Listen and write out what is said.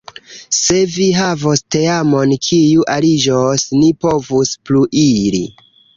Se vi havos teamon kiu aliĝos, ni povos pluiri.